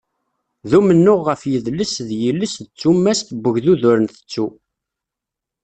D umennuɣ ɣef yidles d yiles d tumast n ugdud ur ntettu.